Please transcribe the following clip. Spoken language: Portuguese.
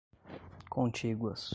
contíguas